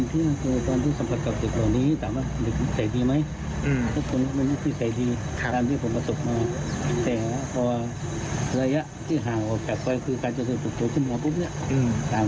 หรือเปล่าครับคือคนที่คุยนี่คือไม่ใช่เจ้ามังฤทธิ์แต่คือเป็นเพราะพวกเขาอืมญาติเขา